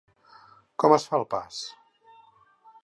Com es fa el pas?